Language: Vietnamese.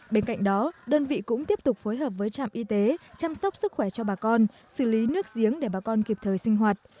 bên cạnh đó đơn vị cũng tiếp tục phối hợp với trạm y tế chăm sóc sức khỏe cho bà con xử lý nước giếng để bà con kịp thời sinh hoạt